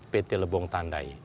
pt lebong tandai